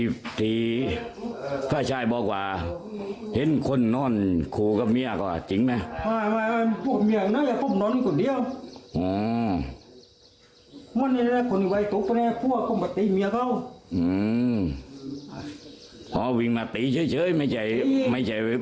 พระาชัยบอกว่าเห็นคนนอนครูกับเมียกว่ะจริงไหม